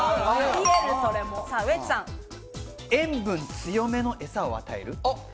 塩分強めのえさを与える。